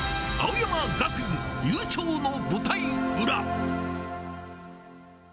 青山学院優勝の舞台裏。